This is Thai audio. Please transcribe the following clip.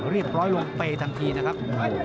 เรียบร้อยลงเปย์ทันทีนะครับ